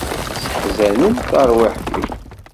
Sseḥzanen tarwiḥt-iw.